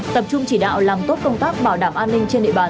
tập trung chỉ đạo làm tốt công tác bảo đảm an ninh trên địa bàn